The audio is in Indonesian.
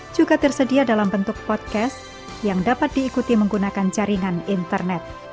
juga tersedia dalam bentuk podcast yang dapat diikuti menggunakan jaringan internet